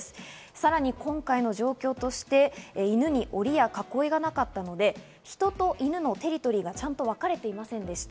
さらに今回の状況として、犬に檻や囲いがなかったので、人と犬のテリトリーがちゃんと分かれていませんでした。